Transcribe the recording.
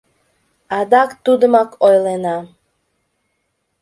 АДАК ТУДЫМАК ОЙЛЕНА